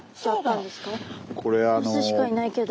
雌しかいないけど。